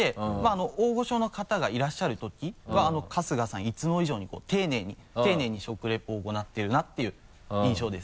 大御所の方がいらっしゃる時は春日さんいつも以上に丁寧に丁寧に食リポを行っているなっていう印象です。